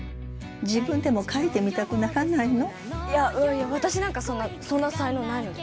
自分でも描いてみたくならないや、私なんかそんな才能ないので。